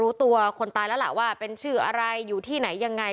รู้ตัวคนตายแล้วล่ะว่าเป็นชื่ออะไรอยู่ที่ไหนยังไง